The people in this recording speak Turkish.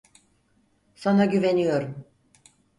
Sana güveniyorum.